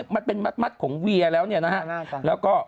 มัดเป็นมัดของเวียแล้วเนี่ยนะฮะแล้วก็